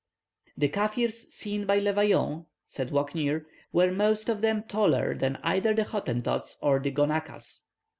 "The Kaffirs seen by Le Vaillant," says Walcknaer, "were most of them taller than either the Hottentots or the Gonaquas.